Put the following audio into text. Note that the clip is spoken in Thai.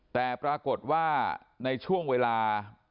แต่ปรากฏว่าในช่วงเวลา